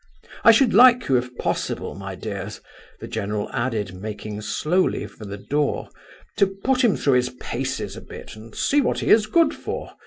I should like you, if possible, my dears," the general added, making slowly for the door, "to put him through his paces a bit, and see what he is good for.